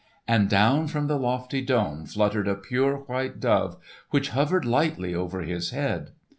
And down from the lofty dome fluttered a pure white dove which hovered lightly over his head.